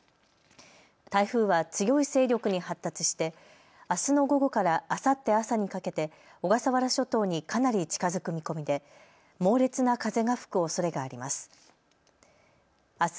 台風は強い勢力に発達してあすの午後からあさって朝にかけて小笠原諸島にかなり近づく見込みで猛烈な風が吹くおそれがあります。